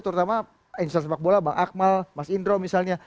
terutama insan sepak bola bang akmal mas indro misalnya